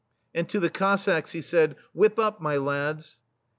And to the Cossacks he said :Whip up, my lads